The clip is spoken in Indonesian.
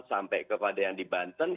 sampai kepada yang di banten